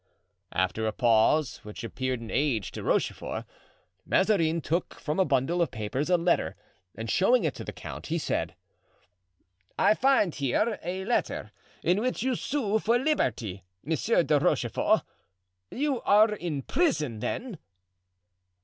After a pause, which appeared an age to Rochefort, Mazarin took from a bundle of papers a letter, and showing it to the count, he said: "I find here a letter in which you sue for liberty, Monsieur de Rochefort. You are in prison, then?"